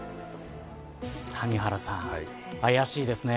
谷原さん、怪しいですね。